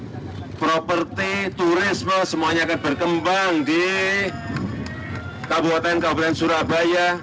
dan juga properti turisme semuanya akan berkembang di kabupaten kabupaten surabaya